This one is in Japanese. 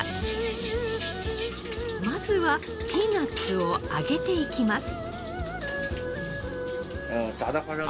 まずはピーナッツを揚げていきます。